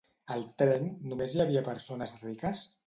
Al tren només hi havia persones riques?